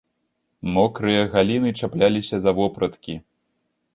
Мокрыя галіны чапляліся за вопраткі.